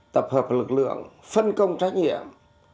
tập hợp lực lượng phân công trách nhiệm